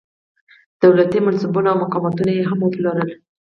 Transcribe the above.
دولتي منصبونه او مقامونه یې هم وپلورل.